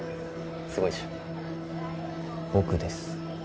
すごいでしょ僕です